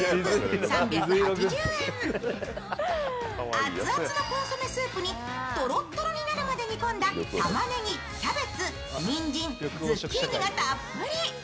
熱々のコンソメスープにとろっとろになるまで煮込んだたまねぎ、キャベツ、にんじん、ズッキーニがたっぷり。